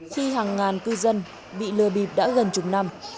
khi hàng ngàn cư dân bị lừa bịp đã gần chục năm